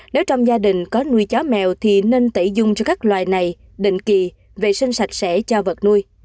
nếu trong gia đình có nuôi chó mèo thì nên tẩy dung cho các loài này định kỳ vệ sinh sạch sẽ cho vật nuôi